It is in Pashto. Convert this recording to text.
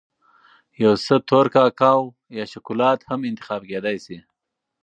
یو څه تور کاکاو یا شکولات هم انتخاب کېدای شي.